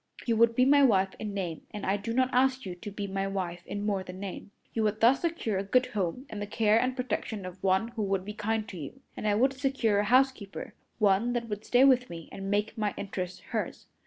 You would be my wife in name, and I do not ask you to be my wife in more than name. You would thus secure a good home and the care and protection of one who would be kind to you, and I would secure a housekeeper one that would stay with me and make my interests hers.